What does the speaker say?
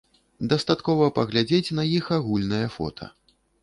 Дастаткова паглядзець на іх агульнае фота.